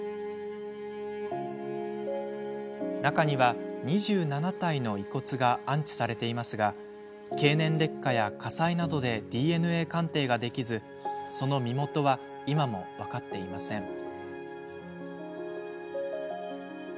中には２７体の遺骨が安置されていますが経年劣化や火災などでＤＮＡ鑑定ができずその身元は今も分かっていません。